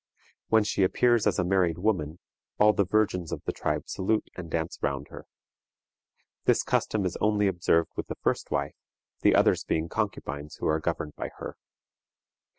When she appears as a married woman, all the virgins of the tribe salute and dance round her. This custom is only observed with the first wife, the others being concubines who are governed by her.